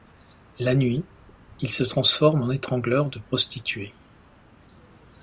La nuit, il se transforme en étrangleur de prostituées...